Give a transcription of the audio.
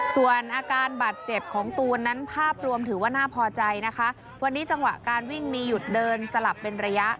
ส่วนอาการบาดเจ็บของตูนนั้นภาพรวมถือว่าน่าพอใจนะคะวันนี้จังหวะการวิ่งมีหยุดเดินสลับเป็นระยะ